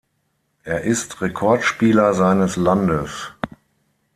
Er ist Rekordspieler seines Landes.